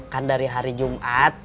kan dari hari jumat